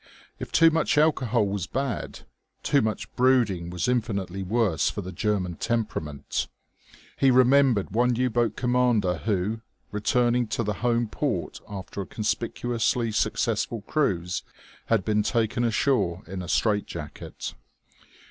If too much alcohol was bad, too much brooding was infinitely worse for the German temperament. He remembered one U boat commander who, returning to the home port after a conspicuously successful cruise, had been taken ashore in a strait jacket.